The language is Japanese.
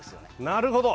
なるほど！